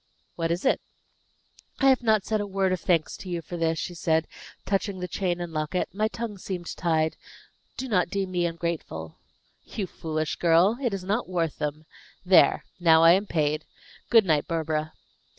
"What is it?" "I have not said a word of thanks to you for this," she said, touching the chain and locket; "my tongue seemed tied. Do not deem me ungrateful." "You foolish girl! It is not worth them. There! Now I am paid. Good night, Barbara."